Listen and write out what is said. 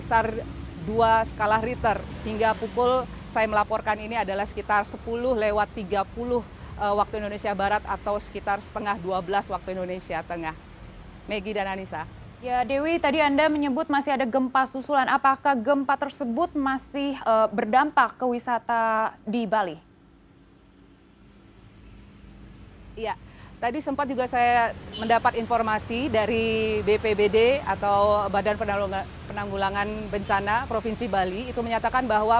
sisa dua skala riter hingga pukul saya melaporkan ini adalah sekitar sepuluh lewat tiga puluh waktu indonesia barat atau sekitar setengah dua belas waktu indonesia tengah